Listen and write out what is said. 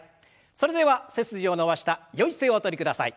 それでは背筋を伸ばしたよい姿勢をおとりください。